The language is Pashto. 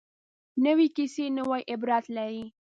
نوې کیسه نوې عبرت لري